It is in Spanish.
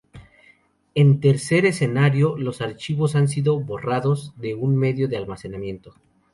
En un tercer escenario, los archivos han sido "borrados" de un medio de almacenamiento.